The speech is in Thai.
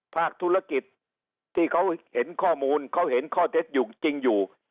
ภาคธุรกิจที่เขาเห็นข้อมูลเขาเห็นข้อเต็ดจริงอยู่